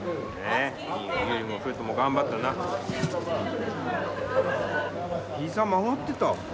えっ曲がってた？